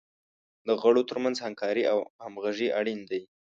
د غړو تر منځ همکاري او همغږي اړین دی.